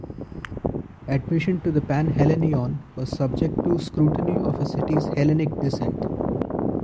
Admission to the Panhellenion was subject to scrutiny of a city's Hellenic descent.